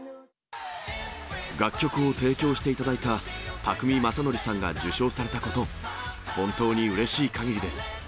楽曲を提供していただいた宅見将典さんが受賞されたこと、本当にうれしいかぎりです！